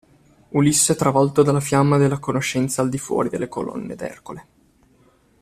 Ulisse travolto dalla fiamma della conoscenza al di fuori delle colonne d'Ercole.